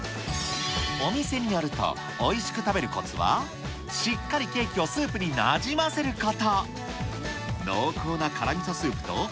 お店によると、おいしく食べるコツは、しっかりケーキをスープになじませること。